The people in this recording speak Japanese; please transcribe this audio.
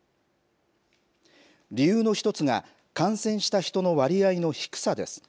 理由の１つが感染した人の割合の低さです。